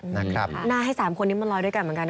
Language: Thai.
หน้าให้๓คนนี้มาลอยด้วยกันเหมือนกันนะ